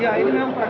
ya ini memang praktis